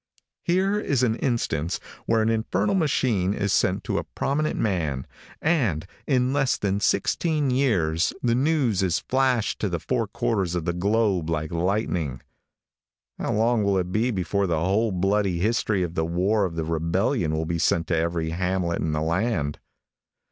Here is an instance where an infernal machine is sent to a prominent man, and in less than sixteen years the news is flashed to the four quarters of the globe like lightning. How long will it be before the whole bloody history of the war of the rebellion will be sent to every hamlet in the land?